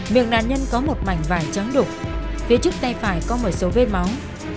miệng nạn nhân có một mảnh vải trắng đục phía trước tay phải có một số vết máu